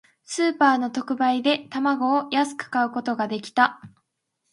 スーパーの特売で、卵を安く買うことができた。